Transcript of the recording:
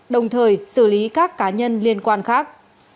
đồng thời xử lý các cá nhân liên quan khác